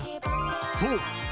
［そう。